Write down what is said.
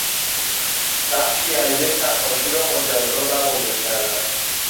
بخشی از یک نقاشی را مجزا و بزرگ کردن